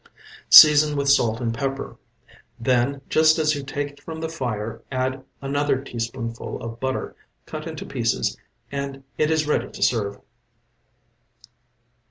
Season with salt and pepper. Then, just as you take it from the fire, add another teaspoonful of butter, cut into pieces, and it is ready to serve.